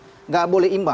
tidak boleh imbang